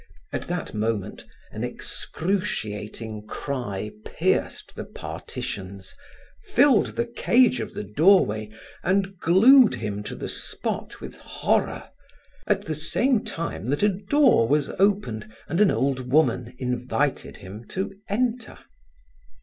At that moment an excruciating cry pierced the partitions, filled the cage of the doorway and glued him to the spot with horror, at the same time that a door was opened and an old woman invited him to enter.